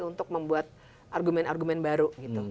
untuk membuat argumen argumen baru gitu